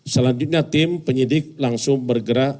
selanjutnya tim penyidik langsung bergerak